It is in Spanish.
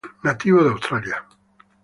Nativo de Australia.